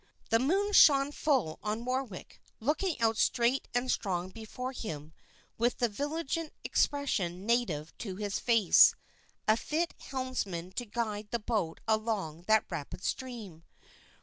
The moon shone full on Warwick, looking out straight and strong before him with the vigilant expression native to his face; a fit helmsman to guide the boat along that rapid stream.